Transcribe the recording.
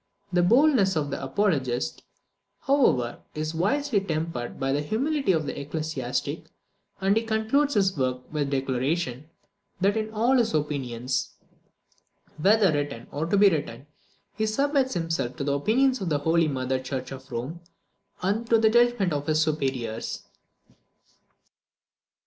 The boldness of the apologist, however, is wisely tempered with the humility of the ecclesiastic, and he concludes his work with the declaration, that in all his opinions, whether written or to be written, he submits himself to the opinions of the Holy Mother Church of Rome and to the judgment of his superiors.